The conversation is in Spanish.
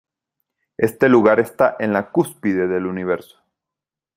Este lugar está en la cúspide del universo.